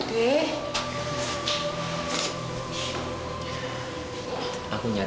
jadi lu menyayangku gitu kan